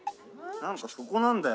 何かそこなんだよ